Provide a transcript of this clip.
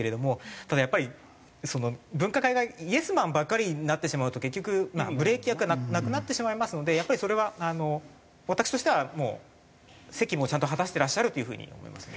ただやっぱりその分科会がイエスマンばっかりになってしまうと結局ブレーキ役がなくなってしまいますのでやっぱりそれは私としてはもう責務をちゃんと果たしてらっしゃるという風に思いますね。